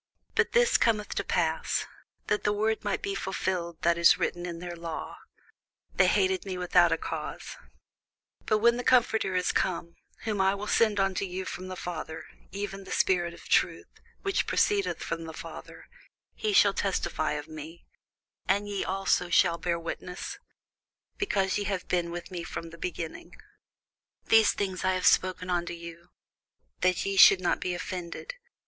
But this cometh to pass, that the word might be fulfilled that is written in their law, They hated me without a cause. But when the Comforter is come, whom I will send unto you from the Father, even the Spirit of truth, which proceedeth from the Father, he shall testify of me: and ye also shall bear witness, because ye have been with me from the beginning. [Sidenote: St. John 16] These things have I spoken unto you, that ye should not be offended.